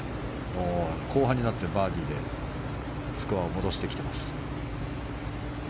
後半になってバーディーでスコアを戻してきています。